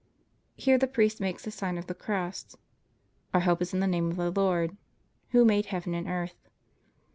Here the priest makes the Sign of the Cross. Our help is in the name of the Lord. Who made heaven and earth.